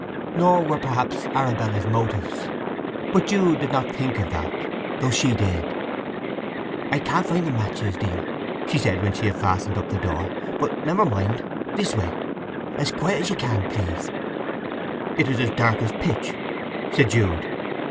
Nor were perhaps Arabella's motives. But Jude did not think of that, though she did. "I can't find the matches, dear," she said when she had fastened up the door. "But never mind—this way. As quiet as you can, please." "It is as dark as pitch," said Jude.